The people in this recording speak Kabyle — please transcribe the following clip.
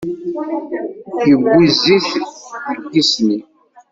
Iwwi zzit deg yisni.